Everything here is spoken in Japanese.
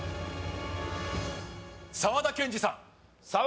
沢田研二さん